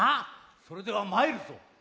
それではまいるぞ！